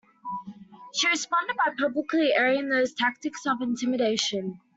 She responded by publicly airing those tactics of intimidation.